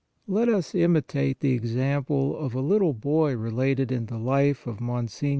Let us imitate the example of a little boy related in the Life of Mgr.